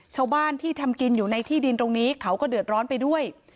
ชาวบ้านที่ทำกินอยู่ในที่ดินตรงนี้เขาก็เดือดร้อนไปด้วย